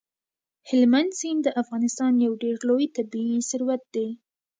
هلمند سیند د افغانستان یو ډېر لوی طبعي ثروت دی.